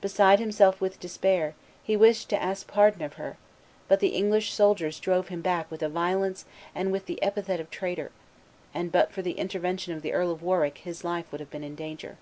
Beside himself with despair, he wished to ask pardon of her; but the English soldiers drove him back with violence and with the epithet of traitor, and but for the intervention of the Earl of Warwick his life would have been in danger.